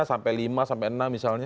sampai lima sampai enam misalnya